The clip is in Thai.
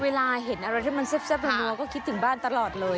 เวลาเห็นอะไรที่มันแซ่บนัวก็คิดถึงบ้านตลอดเลย